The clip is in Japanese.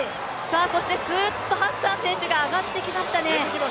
そしてすっとハッサン選手が上がってきましたね。